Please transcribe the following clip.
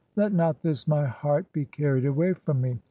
Let "not this my heart (hclti) be carried away from me!